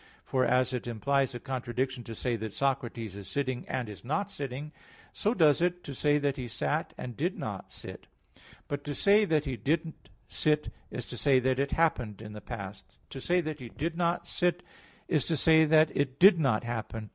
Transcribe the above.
For as it implies a contradiction to say that Socrates is sitting, and is not sitting, so does it to say that he sat, and did not sit. But to say that he did sit is to say that it happened in the past. To say that he did not sit, is to say that it did not happen.